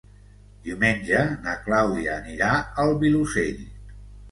Diumenge na Clàudia anirà al Vilosell.